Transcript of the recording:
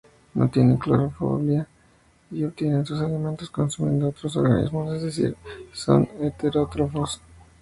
No tienen clorofila y obtienen sus alimentos consumiendo otros organismos, es decir, son heterótrofos.